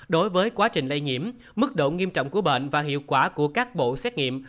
đối với quá trình lây nhiễm mức độ nghiêm trọng của bệnh và hiệu quả của các bộ xét nghiệm